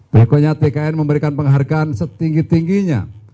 berikutnya tkn memberikan penghargaan setinggi tingginya